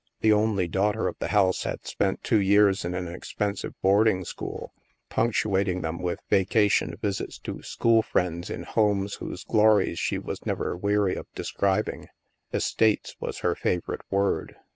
The only daughter of the house had spent two years in an expensive boarding school, punctuating them with vacation visits to school friends in homes whose glories she was never weary of describing —es tates" was her favorite word.